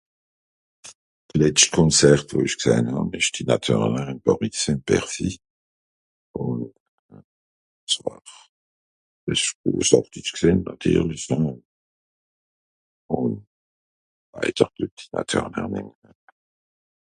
d'letscht konzert wo isch gsähn hàb esch tina turner ìn pàris gsé ìn bercy ... ùff ditsch gsìn nàtirli ùn ... laider de tina turner nem